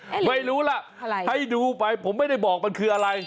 ไม่รู้ล่ะอะไรให้ดูไปผมไม่ได้บอกมันคืออะไร